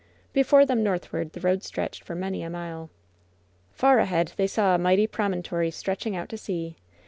Before them northward the road stretched for many a mile. Far ahead they saw a mighty promontory stretching out to sea.